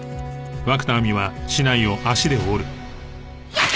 やっ！